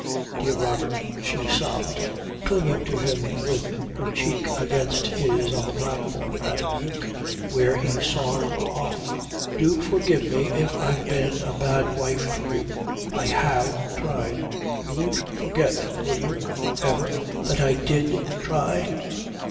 "Dear Robert," she sobbed, clinging to him with her cheek against his on the platform at Meuk where he saw her off, "do forgive me if I've been a bad wife to you. I have tried. You won't forget will you ever that I did try?"